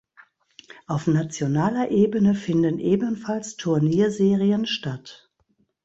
Auf nationaler Ebene finden ebenfalls Turnierserien statt.